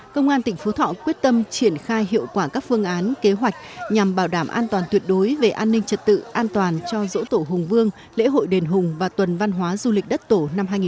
công an tỉnh phú thọ quyết tâm triển khai hiệu quả các phương án kế hoạch nhằm bảo đảm an toàn tuyệt đối về an ninh trật tự an toàn cho dỗ tổ hùng vương lễ hội đền hùng và tuần văn hóa du lịch đất tổ năm hai nghìn hai mươi bốn